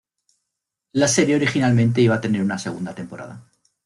La serie originalmente iba a tener una segunda temporada.